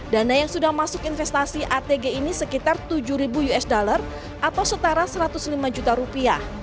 dana yang sudah masuk investasi atg ini sekitar tujuh usd atau setara satu ratus lima juta rupiah